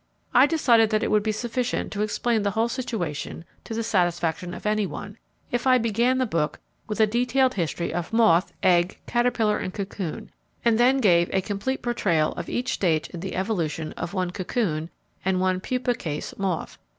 I decided that it would be sufficient to explain the whole situation to the satisfaction of any one, if I began the book with a detailed history of moth, egg, caterpillar, and cocoon and then gave complete portrayal of each stage in the evolution of one cocoon and one pupa case moth.